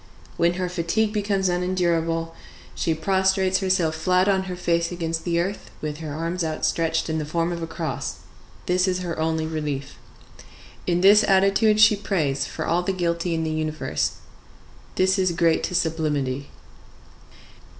When her fatigue becomes unendurable, she prostrates herself flat on her face against the earth, with her arms outstretched in the form of a cross; this is her only relief. In this attitude she prays for all the guilty in the universe. This is great to sublimity.